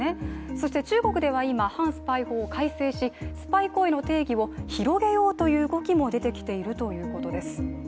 そして中国では今、反スパイ法を改正しスパイ行為の定義を広げようという動きも出てきているということです。